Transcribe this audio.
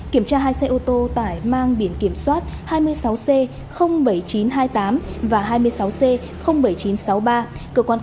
kiểm tra hai xe ô tô tải mang biển kiểm soát hai mươi sáu c bảy nghìn chín trăm hai mươi tám và hai mươi sáu c bảy nghìn chín trăm sáu mươi ba